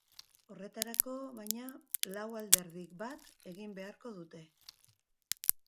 Horretarako, baina, lau alderdik bat egin beharko dute.